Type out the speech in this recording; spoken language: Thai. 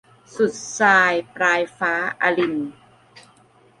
สุดทราย ปลายฟ้า - อลินน์